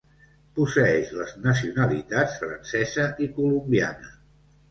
Posseeix les nacionalitats francesa i colombiana.